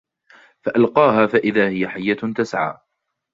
فألقاها فإذا هي حية تسعى